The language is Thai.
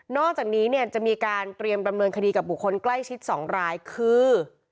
อกจากนี้เนี่ยจะมีการเตรียมดำเนินคดีกับบุคคลใกล้ชิด๒รายคือ